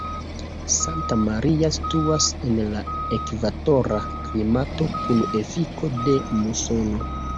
Santa Maria situas en la ekvatora klimato kun efiko de musono.